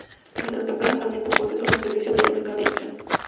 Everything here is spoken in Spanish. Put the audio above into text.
Mientras que Empresa Sarmiento posee sólo un servicio diario en cada dirección.